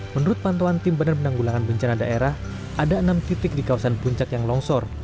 menurut pantauan tim badan penanggulangan bencana daerah ada enam titik di kawasan puncak yang longsor